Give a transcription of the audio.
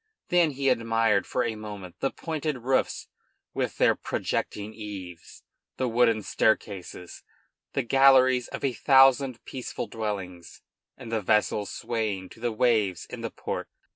Then he admired for a moment the pointed roofs with their projecting eaves, the wooden staircases, the galleries of a thousand peaceful dwellings, and the vessels swaying to the waves in the port.